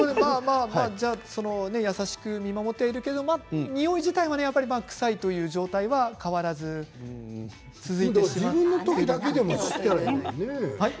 優しく見守っているけどにおい自体はくさいという状態は変わらないということで。